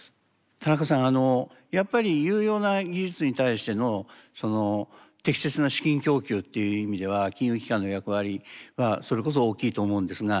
田中さんあのやっぱり有用な技術に対してのその適切な資金供給っていう意味では金融機関の役割はそれこそ大きいと思うんですが。